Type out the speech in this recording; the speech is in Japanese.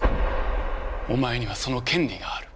お前にはその権利がある。